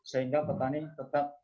sehingga petani tetap